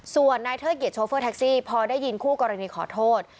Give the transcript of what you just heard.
ส่วนนายเทิดเกียจโชเฟอร์แท็กซี่พอได้ยินคู่กรณีขอโทษ